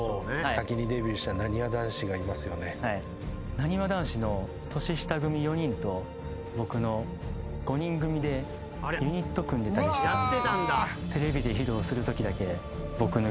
なにわ男子の年下組４人と僕の５人組でユニット組んでたりしたんですよ。